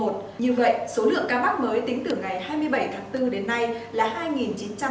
như vậy số lượng ca mắc mới tính từ ngày hai mươi bảy tháng bốn đến nay là hai chín trăm tám mươi ca